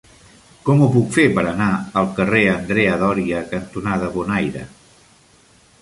Com ho puc fer per anar al carrer Andrea Doria cantonada Bonaire?